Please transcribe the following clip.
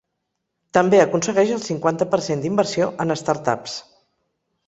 També aconsegueix el cinquanta per cent d’inversió en ‘startups’.